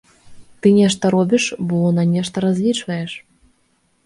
Ты нешта робіш, бо на нешта разлічваеш.